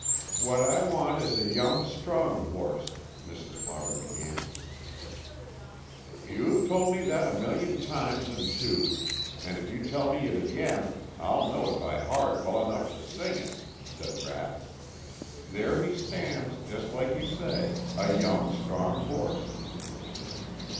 "What I want is a young, strong horse " Mrs. Potter began. "You've told me that a million times and two, and if you tell me it again I'll know it by heart well enough to sing it," said Rapp. "There he stands, just like you say a young, strong horse."